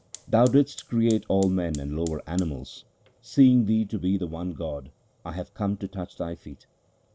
Thou didst create all men and lower animals ; seeing Thee to be the One God, I have come to touch Thy feet.